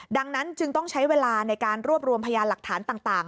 ดังนั้นจึงต้องใช้เวลาในการรวบรวมพยานหลักฐานต่าง